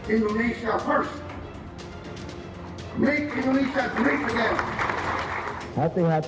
indonesia first make indonesia great again